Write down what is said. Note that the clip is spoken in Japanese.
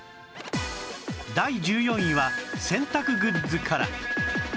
第１４位は洗濯グッズから